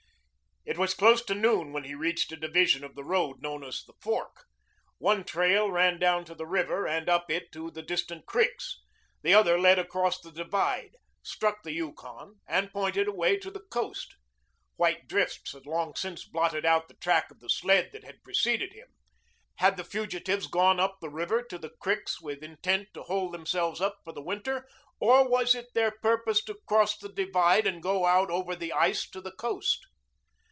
It was close to noon when he reached a division of the road known as the Fork. One trail ran down to the river and up it to the distant creeks. The other led across the divide, struck the Yukon, and pointed a way to the coast. White drifts had long since blotted out the track of the sled that had preceded him. Had the fugitives gone up the river to the creeks with intent to hole themselves up for the winter? Or was it their purpose to cross the divide and go out over the ice to the coast?